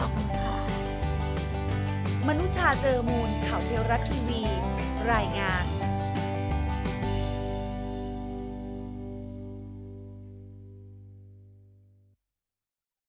ขอบคุณค่ะ